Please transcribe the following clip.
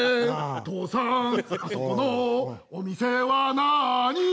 「お父さんあそこのお店はなあに？」